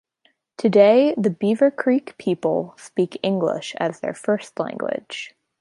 Today the Beaver Creek people speak English as their first language.